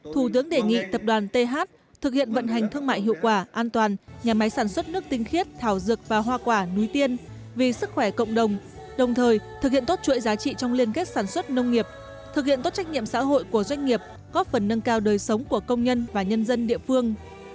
theo cầu tập đoàn cần vận hành an toàn nhà máy đồng thời thực hiện tốt quyền lợi của công nhân nhân dân địa phương